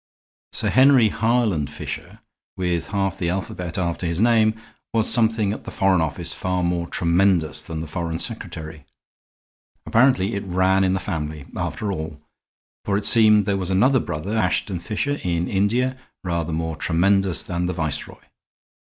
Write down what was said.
Sir Henry Harland Fisher, with half the alphabet after his name, was something at the Foreign Office far more tremendous than the Foreign Secretary. Apparently, it ran in the family, after all; for it seemed there was another brother, Ashton Fisher, in India, rather more tremendous than the Viceroy.